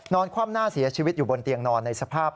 คว่ำหน้าเสียชีวิตอยู่บนเตียงนอนในสภาพ